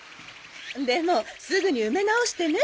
でもすぐに埋め直してね。